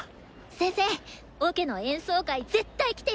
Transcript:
先生オケの演奏会絶対来てよね！